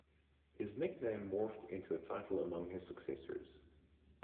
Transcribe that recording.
His nickname morphed into a title among his successors.